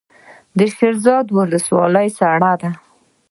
د شیرزاد ولسوالۍ سړه ده